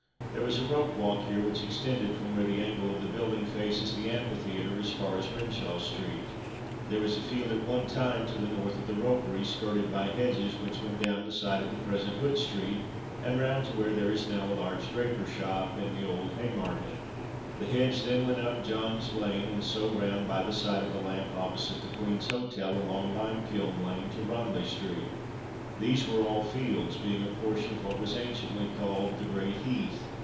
There was a ropewalk here which extended from where the angle of the building faces the Amphitheatre, as far as Renshaw street. There was a field at one time to the north of the ropery skirted by hedges which went down the site of the present Hood street, and round to where there is now a large draper's shop in the Old Haymarket; the hedge then went up John's lane, and so round by the site of the lamp opposite the Queen's Hotel, along Limekiln lane to Ranelagh street. These were all fields, being a portion of what was anciently called "the Great Heath."